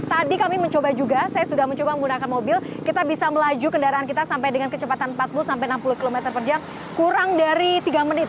tadi kami mencoba juga saya sudah mencoba menggunakan mobil kita bisa melaju kendaraan kita sampai dengan kecepatan empat puluh sampai enam puluh km per jam kurang dari tiga menit